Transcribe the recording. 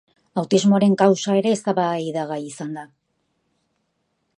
Autismoaren kausa ere eztabaidagai izan da.